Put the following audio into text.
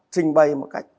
trình bày một cách